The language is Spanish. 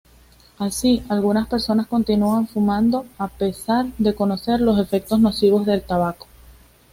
Así algunas personas continúan fumando a pesar de conocer los efectos nocivos del tabaco.